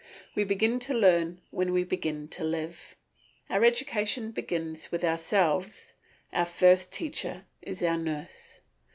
We begin to learn when we begin to live; our education begins with ourselves, our first teacher is our nurse.